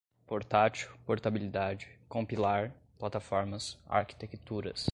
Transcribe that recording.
portátil, portabilidade, compilar, plataformas, arquitecturas